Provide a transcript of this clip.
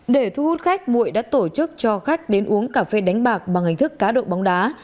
để thu hút khách mụy đã tổ chức cho khách đến uống cà phê đánh bạc bằng hình thức cá độ bóng đá